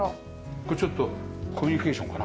これちょっとコミュニケーションかな？